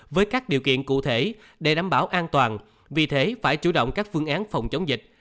với các điều kiện cụ thể để đảm bảo an toàn vì thế phải chủ động các phương án phòng chống dịch